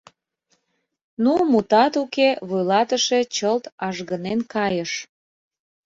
Ну, мутат уке, вуйлатыше чылт ажгынен кайыш.